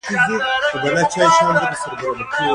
ښارونه د افغانستان د اقلیمي نظام ښکارندوی ده.